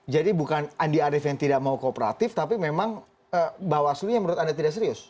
jadi bukan andi arief yang tidak mau kooperatif tapi memang bawaslu yang menurut anda tidak serius